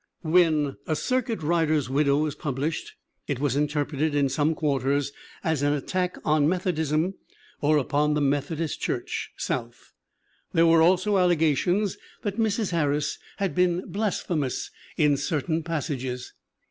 When A Circuit Rider's Widow was published it was interpreted in some quarters as an attack on Meth odism or upon the Methodist Church, South; there were also allegations that Mrs. Harris had been blas phemous in certain passages.